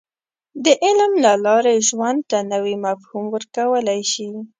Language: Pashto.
• د علم له لارې، ژوند ته نوی مفهوم ورکولی شې.